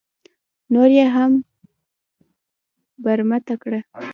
نور یې هم برمته کړه.